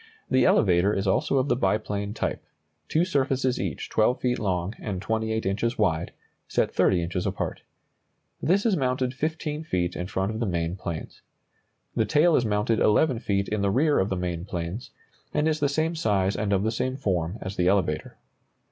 The elevator is also of the biplane type, two surfaces each 12 feet long and 28 inches wide, set 30 inches apart. This is mounted 15 feet in front of the main planes. The tail is mounted 11 feet in the rear of the main planes, and is the same size and of the same form as the elevator.